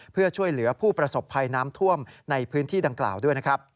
เพื่อช่วยเหลือผู้ประสบภัยน้ำท่วมในพื้นที่ดังกล่าวด้วยนะครับ